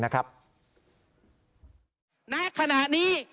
ณขณะนี้